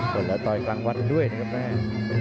ส่วนแล้วต่อยกลางวันด้วยนะครับแม่